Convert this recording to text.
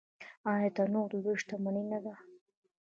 آیا تنوع د دوی شتمني نه ده؟